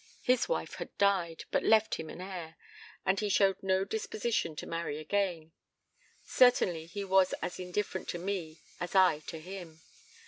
His wife had died, but left him an heir, and he showed no disposition to marry again; certainly he was as indifferent to me as I to him.